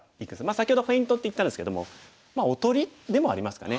先ほどフェイントって言ったんですけどもまあおとりでもありますかね。